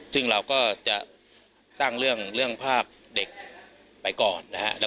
ซึ่งเราก็ยัดตั้งเรื่องภาคเด็กไปก่อน